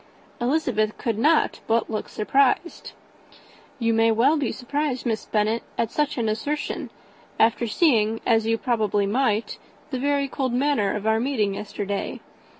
Elizabeth could not but look surprised. "You may well be surprised, Miss Bennet, at such an assertion, after seeing, as you probably might, the very cold manner of our meeting yesterday.